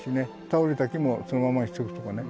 倒れた木もそのままにしておくとかね。